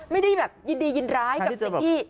ไม่ได้แบบยินดียินร้ายกับสิ่งที่